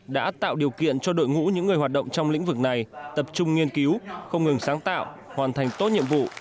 đã tạo điều kiện cho đội ngũ những người hoạt động trong lĩnh vực này tập trung nghiên cứu không ngừng sáng tạo hoàn thành tốt nhiệm vụ